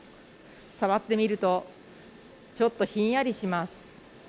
触ってみるとちょっとひんやりします。